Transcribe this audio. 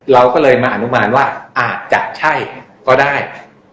เราก็เลยมาอนุมานว่าอาจจะใช่ก็ได้